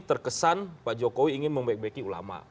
terkesan pak jokowi ingin membaiki ulama